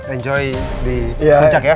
enjoy di rujak ya